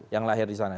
yang lahir di sana